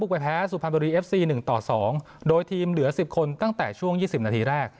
สุภัณฑ์บริษัทหนึ่งต่อสองโดยทีมเหลือสิบคนตั้งแต่ช่วงยี่สิบนาทีแรก